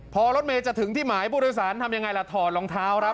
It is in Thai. พอรถเมย์จะถึงที่หมายผู้โดยสารทำยังไงล่ะถอดรองเท้าครับ